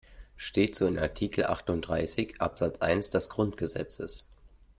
Steht so in Artikel achtunddreißig, Absatz eins des Grundgesetzes.